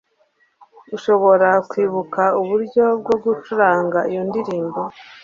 Urashobora kwibuka uburyo bwo gucuranga iyo ndirimbo